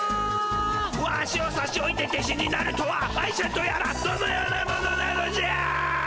ワシをさしおいて弟子になるとは愛ちゃんとやらどのような者なのじゃ。